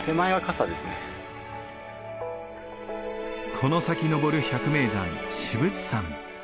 この先登る百名山至仏山。